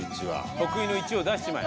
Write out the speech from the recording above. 得意の１を出しちまえ。